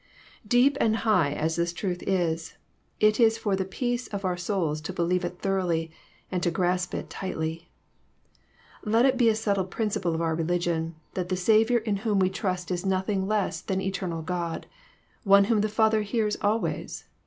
Deep and high as this truth is, it is for the peace of our souls to believe it thoroughly, and to grasp it tightly. Let it be a settled principle of our religion, that the Saviour in whom we trust is nothing less than eternal God, One whom the Father hears always.